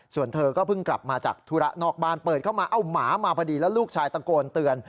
ส่วนเธอก็เพิ่งกลับมาจากธุระนอกบ้านเปิดเข้ามาเอ้าหมามาพอดีแล้วลูกชายตะโกนเตือน